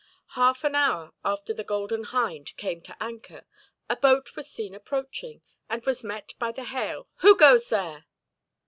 Half an hour after the Golden Hind came to anchor, a boat was seen approaching, and was met by the hail, "Who goes there?"